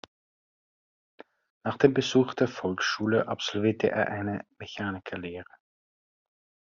Nach dem Besuch der Volksschule absolvierte er eine Mechanikerlehre.